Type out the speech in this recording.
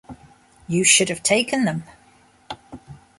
You should have taken them.